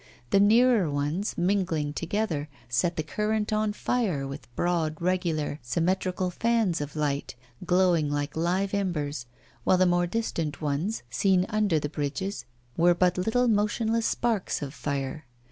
The nearer ones, mingling together, set the current on fire with broad, regular, symmetrical fans of light, glowing like live embers, while the more distant ones, seen under the bridges, were but little motionless sparks of fire.